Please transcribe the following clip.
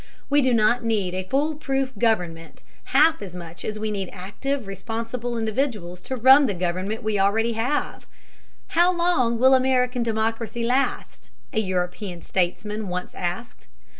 We do not need a fool proof government half as much as we need active, responsible individuals to run the government we already have. "How long will American democracy last?" a European statesman once asked.